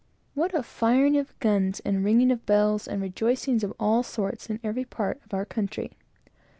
What firing of guns, and ringing of bells, and rejoicings of all sorts, in every part of our country!